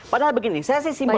padahal begini saya sih simpel